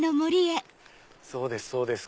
そうですそうです。